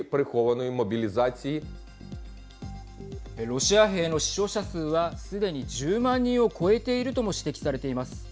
ロシア兵の死傷者数は、すでに１０万人を超えているとも指摘されています。